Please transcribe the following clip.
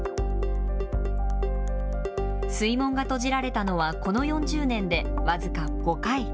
水門が閉じられたのはこの４０年で僅か５回。